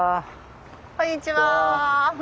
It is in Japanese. こんにちは。